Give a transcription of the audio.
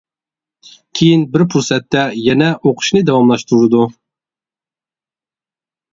كېيىن بىر پۇرسەتتە، يەنە ئوقۇشنى داۋاملاشتۇرىدۇ.